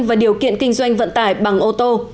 và điều kiện kinh doanh vận tải bằng ô tô